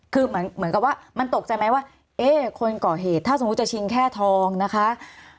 คือเหมือนกับว่ามันตกใจไหมว่าเอ๊ะคนก่อเหตุถ้าสมมุติจะชิงแค่ทองนะคะ